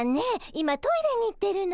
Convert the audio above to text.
今トイレに行ってるの。